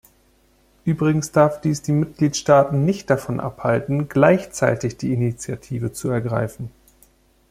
Übrigens darf dies die Mitgliedstaaten nicht davon abhalten, gleichzeitig die Initiative zu ergreifen.